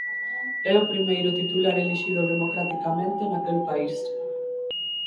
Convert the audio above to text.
É o primeiro titular elixido democraticamente naquel país.